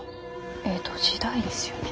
江戸時代ですよね。